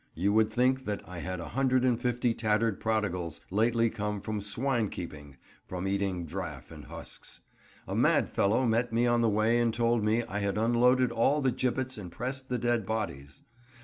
. you would think that I had a hundred and fifty tattered prodigals, lately come from swine keeping, from eating draff and husks. A mad fellow met me on the way and told me I had unloaded all the gibbets and pressed the dead bodies.